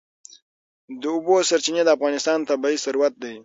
د اوبو سرچینې د افغانستان طبعي ثروت دی.